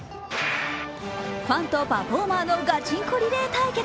ファンとパフォーマーのガチンコリレー対決。